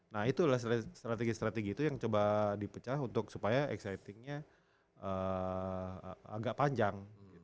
nah itulah strategi strategi itu yang coba dipecah untuk supaya excitingnya agak panjang